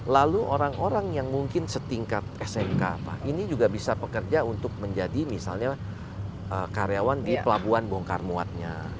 lalu orang orang yang mungkin setingkat smk ini juga bisa bekerja untuk menjadi misalnya karyawan di pelabuhan bongkar muatnya